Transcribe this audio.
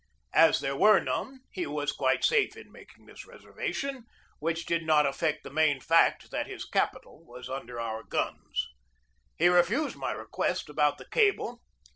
As there were none, he was quite safe in making this reservation, which did not affect the main fact, that his capital was under our guns. He refused my request about the cable.